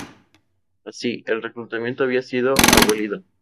Así, el reclutamiento había sido abolido.